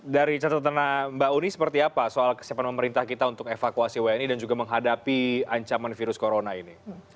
dari catatan mbak uni seperti apa soal kesiapan pemerintah kita untuk evakuasi wni dan juga menghadapi ancaman virus corona ini